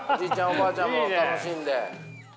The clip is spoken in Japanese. おばあちゃんも楽しんで。